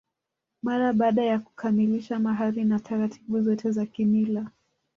Mara baada ya kukamilisha mahari na taratibu zote za kimila